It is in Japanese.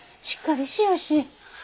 しっかりしおし。